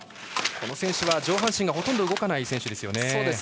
この選手は上半身がほとんど動かない選手ですよね。